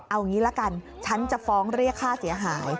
เอางี้ละกันฉันจะฟ้องเรียกค่าเสียหาย